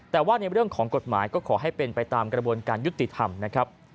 แต่ว่าในเรื่องของกฎหมายก็ขอให้เป็นไปตามกระบวนการยุติธรรมนะครับ